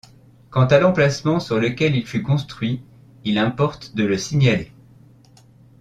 Quant à l’emplacement sur lequel il fut construit, il importe de le signaler.